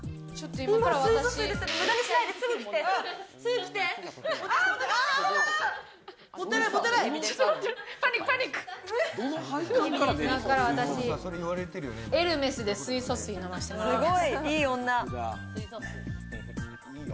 今から私、エルメスで水素水飲ませてもらいます。